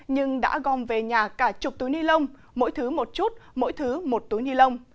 nhưng đã gom về nhà cả chục túi ni lông mỗi thứ một chút mỗi thứ một túi ni lông